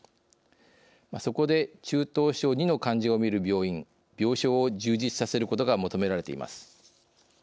そこで中等症２の患者を診る病院、病床を充実させることが求められています。